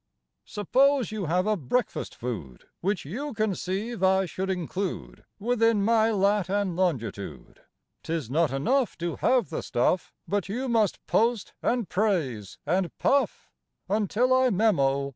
Suppose you have a breakfast food Which you conceive I should include Within my lat and longitude. 'T is not enough to have the stuff, But you must post, and praise, and puff, Until I memo.